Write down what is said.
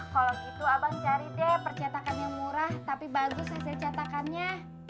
kalau gitu abang cari deh percatakan yang murah tapi bagus detail catakannya